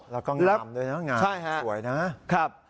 แล้วก็งามด้วยนะงามสวยนะครับใช่ค่ะครับ